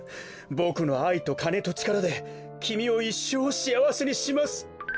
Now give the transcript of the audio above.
ボクのあいとかねとちからできみをいっしょうしあわせにします！